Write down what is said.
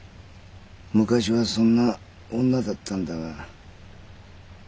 昔はそんな女だったんだが。